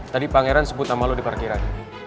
tadi pangeran sebut nama lo di parkiran